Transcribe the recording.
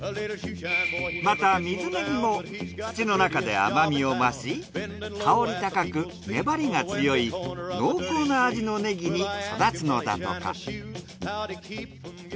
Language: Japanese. また水ネギも土の中で甘みを増し香り高く粘りが強い濃厚な味のネギに育つのだとか。